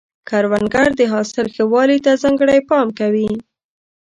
کروندګر د حاصل ښه والي ته ځانګړی پام کوي